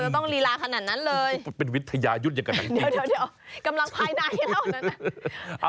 เดี๋ยวกำลังภายในแล้วนั้นอ่ะ